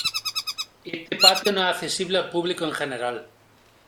Este patio no es accesible al público en general.